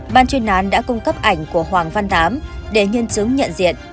ban chuyên nán đã cung cấp ảnh của hoàng văn tám để nhân chứng nhận diện